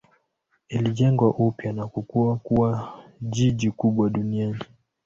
Ilijengwa upya na kukua kuwa jiji kubwa duniani.